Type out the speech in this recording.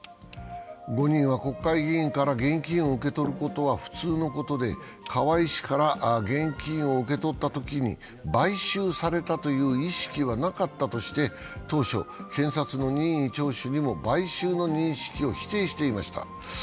５人は国会議員から現金を受け取ることは普通のことで河井氏から現金を受け取ったときに買収されたという意識はなかったとして当初、検察の任意聴取にも買収の認識を否定していました。